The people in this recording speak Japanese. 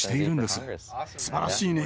すばらしいね。